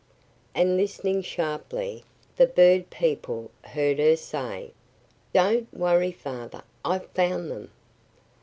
And listening sharply, the bird people heard her say, "Don't worry, Father! I've found them."